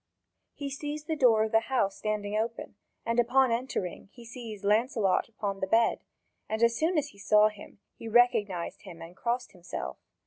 He sees the door of the house standing open, and upon entering, he sees Lancelot upon the bed, and as soon as he saw him, he recognised him and crossed himself.